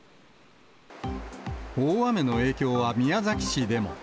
大雨の影響は宮崎市でも。